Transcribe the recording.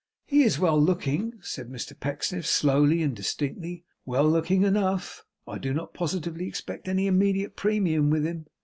'He is well looking,' said Mr Pecksniff, slowly and distinctly; 'well looking enough. I do not positively expect any immediate premium with him.